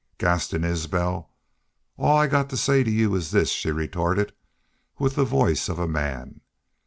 "Gaston Isbel, all I've got to say to you is this," she retorted, with the voice of a man.